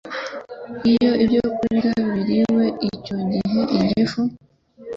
Iyo ibyokurya biriwe icyo gihe, igifu